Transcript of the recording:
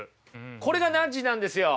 これがナッジなんですよ。